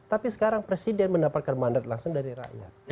tapi sekarang presiden mendapatkan mandat langsung dari rakyat